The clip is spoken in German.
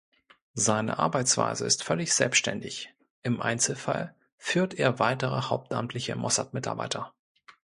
Seine Arbeitsweise ist völlig selbstständig; im Einzelfall führt er weitere hauptamtliche Mossad-Mitarbeiter.